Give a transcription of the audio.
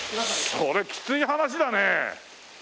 それきつい話だね！